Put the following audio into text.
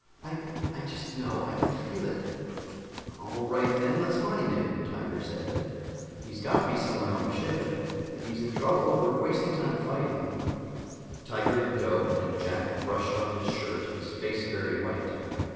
"I I just know. I can feel it." "All right, then let's find him," Tiger said. "He's got to be somewhere on the ship. If he's in trouble, we're wasting time fighting." Tiger let go, and Jack brushed off his shirt, his face very white.